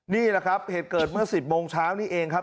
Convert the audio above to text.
นี่แหละครับเหตุเกิดเมื่อ๑๐โมงเช้านี้เองครับ